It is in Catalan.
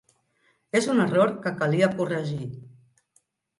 És un error que calia corregir.